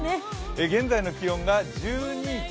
現在の気温が１２．４度。